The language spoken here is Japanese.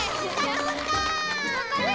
とんだね！